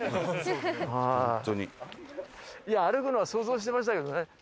いや歩くのは想像してましたけどね。